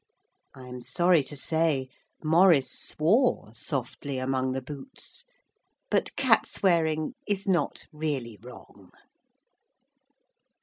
I am sorry to say Maurice swore softly among the boots, but cat swearing is not really wrong.